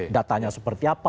datanya seperti apa